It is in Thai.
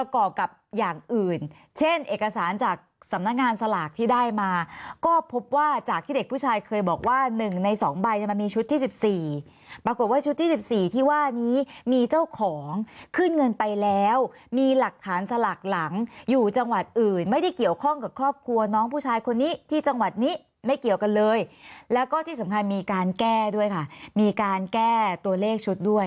กรอบกับอย่างอื่นเช่นเอกสารจากสำนักงานสลากที่ได้มาก็พบว่าจากที่เด็กผู้ชายเคยบอกว่า๑ใน๒ใบเนี่ยมันมีชุดที่๑๔ปรากฏว่าชุดที่๑๔ที่ว่านี้มีเจ้าของขึ้นเงินไปแล้วมีหลักฐานสลากหลังอยู่จังหวัดอื่นไม่ได้เกี่ยวข้องกับครอบครัวน้องผู้ชายคนนี้ที่จังหวัดนี้ไม่เกี่ยวกันเลยแล้วก็ที่สำคัญมีการแก้ด้วยค่ะมีการแก้ตัวเลขชุดด้วย